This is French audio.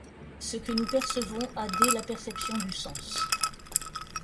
Ce que nous percevons a dès la perception, du sens.